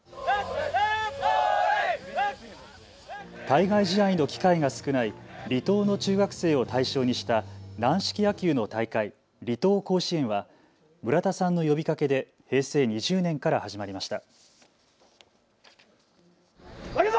対外試合の機会が少ない離島の中学生を対象にした軟式野球の大会、離島甲子園は村田さんの呼びかけで平成２０年から始まりました。